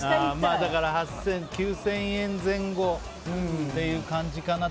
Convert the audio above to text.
だから９０００円前後っていう感じかなと。